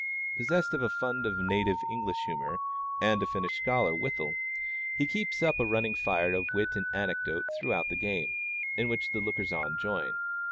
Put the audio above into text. Possessed of a fund of native English humor, and a finished scholar withal, he keeps up a running fire of wit and anecdote throughout the game, in which the lookers on join.